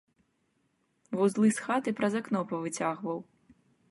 Вузлы з хаты праз акно павыцягваў.